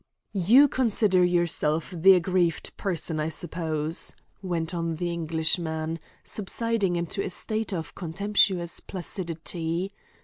"You consider yourself the aggrieved person, I suppose," went on the Englishman, subsiding into a state of contemptuous placidity.